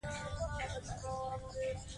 دوی باید په خپلو زده کړو تمرکز وکړي.